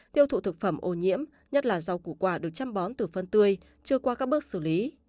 tiêu thụ thực phẩm ô nhiễm nhất là rau củ quả được chăm bón từ phân tươi chưa qua các bước xử lý